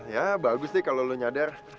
ya bagus nih kalau lo nyar